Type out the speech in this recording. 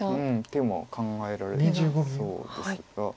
手も考えられそうですが。